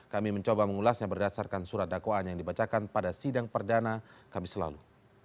kami mencoba mengulasnya berdasarkan surat dakwaan yang dibacakan pada sidang perdana kami selalu